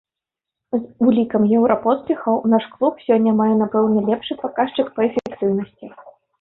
З улікам еўрапоспехаў наш клуб сёння мае, напэўна, лепшы паказчык па эфектыўнасці.